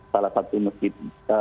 salah satu masjid